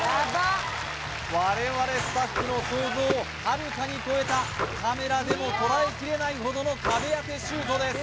我々スタッフの想像をはるかに超えたカメラでも捉えきれないほどの壁当てシュートです